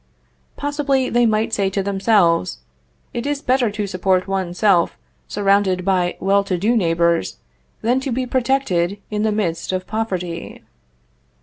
Possibly, they might say to themselves: "It is better to support one's self surrounded by well to do neighbors, than to be protected in the midst of poverty."